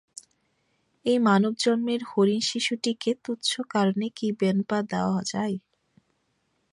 এই মানবজন্মের হরিণশিশুটিকে তুচ্ছ কারণে কি বেনপা দেওয়া যায়।